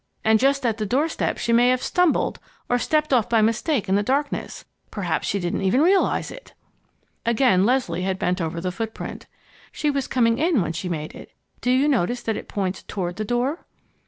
And just at the doorstep she may have stumbled, or stepped off by mistake in the darkness. Perhaps she didn't even realize it." Again Leslie had bent over the footprint. "She was coming in when she made it. Do you notice that it points toward the door?"